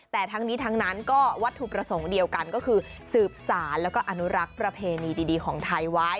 แต่ทั้งนี้ทั้งนั้นก็วัตถุประสงค์เดียวกันก็คือสืบสารแล้วก็อนุรักษ์ประเพณีดีของไทยไว้